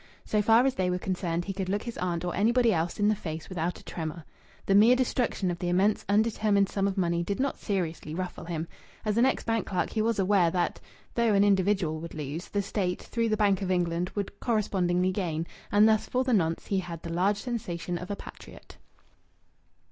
So far as they were concerned, he could look his aunt or anybody else in the face without a tremor. The mere destruction of the immense, undetermined sum of money did not seriously ruffle him. As an ex bank clerk he was aware that though an individual would lose, the State, through the Bank of England, would correspondingly gain, and thus for the nonce he had the large sensation of a patriot.